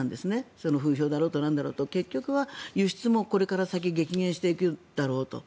その風評だろうとなんだろうと結局は輸出もこれから先激減していくだろうと。